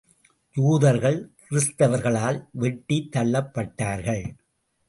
யூதர்கள் கிறிஸ்தவர்களால் வெட்டித் தள்ளப்பட்டார்கள்.